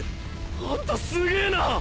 あんたすげえな。